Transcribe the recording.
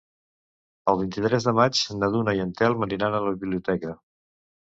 El vint-i-tres de maig na Duna i en Telm aniran a la biblioteca.